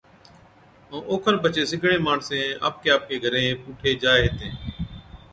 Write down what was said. ائُون اوکن پڇي سِگڙين ماڻسين آپڪي آپڪي گھرين پُوٺي جائي ھِتين